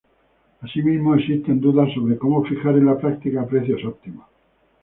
Asimismo existen dudas sobre como fijar en la práctica precios óptimos.